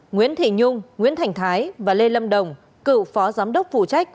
nguyễn thị nhung nguyễn thành thái và lê lâm đồng cựu phó giám đốc phụ trách